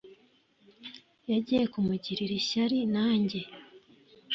yagiye kumugirira ishyari nanjye